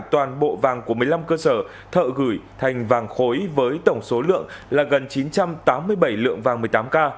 công ty huỳnh thắng đã giữ lại toàn bộ vàng của một mươi năm cơ sở thợ gửi thành vàng khối với tổng số lượng là gần chín trăm tám mươi bảy lượng vàng một mươi tám k